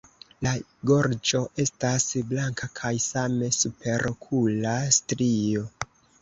La gorĝo estas blanka kaj same superokula strio.